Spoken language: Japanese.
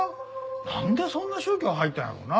なんでそんな宗教入ったんやろな？